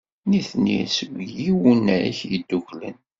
Nitni seg Yiwunak Yeddukklen.